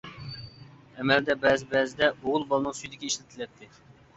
ئەمەلدە بەزى-بەزىدە ئوغۇل بالىنىڭ سۈيدۈكى ئىشلىتىلەتتى.